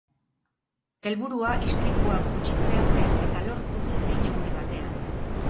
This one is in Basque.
Helburua, istripuak gutxitzea zen eta lortu du hein handi batean.